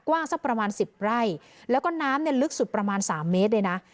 สักประมาณสิบไร่แล้วก็น้ำเนี่ยลึกสุดประมาณสามเมตรเลยนะ